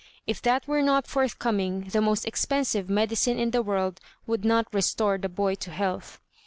If that were not forthcoming, the most expensive medicine in the world would not restore the boy to health.